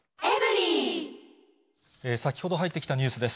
先ほど入ってきたニュースです。